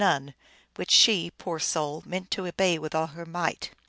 283 none, which she, poor soul, meant to obey with all her might.